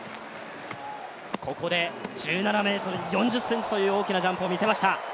ここで１７ｍ４０ｃｍという大きなジャンプを見せました。